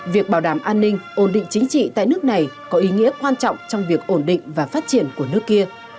việc bảo đảm an ninh ổn định chính trị tại nước này có ý nghĩa quan trọng trong việc ổn định và phát triển của nước kia